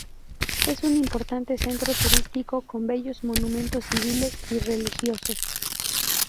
Es un importante centro turístico con bellos monumentos civiles y religiosos.